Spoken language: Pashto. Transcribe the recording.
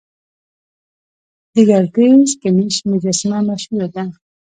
د ګردیز ګنیش مجسمه مشهوره ده